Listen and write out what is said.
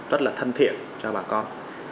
rất là thân thiện cho bà con